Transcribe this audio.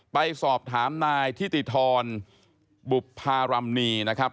ไปสอบถามนายทิติธรบุภารำนีนะครับ